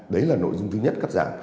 đấy là nội dung thứ nhất cắt giảm